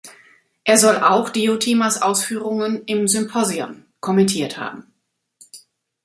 Er soll auch Diotimas Ausführungen im "Symposion" kommentiert haben.